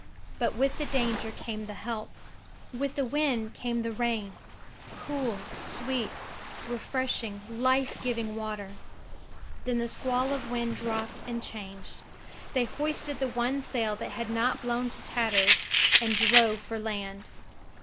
But with the danger came the help; with the wind came the rain; cool, sweet, refreshing, life giving water. Then the squall of wind dropped and changed. They hoisted the one sail that had not blown to tatters, and drove for land.